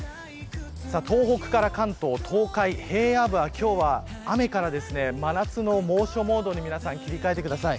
東北から関東、東海平野部は今日は雨から真夏の猛暑モードに皆さん、切り替えてください。